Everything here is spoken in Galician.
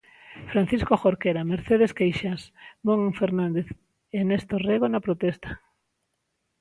Francisco Jorquera, Mercedes Queixas, Mon Fernández e Nestor Rego na protesta.